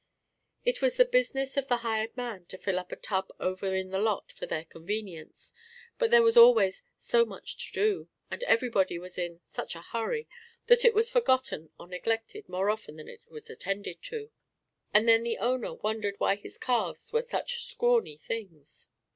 It was the business of the hired man to fill up a tub over in the lot for their convenience, but there was always "so much to do," and everybody was in "such a hurry" that it was forgotten or neglected more often than it was attended to, and then the owner wondered why his calves were such "scrawny things."